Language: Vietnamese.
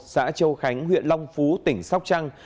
xã châu khánh huyện long phú tỉnh sóc trăng